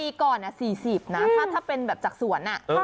ปีก่อนน่ะสี่สิบน่ะถ้าถ้าเป็นแบบจากสวนน่ะเออ